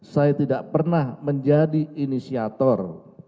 saya tidak pernah menjadi inisiator